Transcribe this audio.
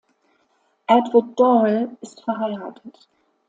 Edward Doyle ist verheiratet.